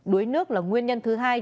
đối nước là nguyên nhân thứ hai